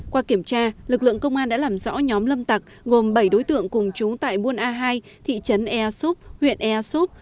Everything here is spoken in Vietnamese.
qua kiểm tra lực lượng công an đã làm rõ nhóm lâm tặc gồm bảy đối tượng cùng chúng tại buôn a hai thị trấn air soup huyện air soup